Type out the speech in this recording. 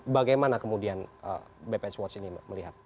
bagaimana kemudian bp swatch ini melihat